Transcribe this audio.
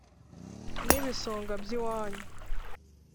n’ibisonga by’iwanyu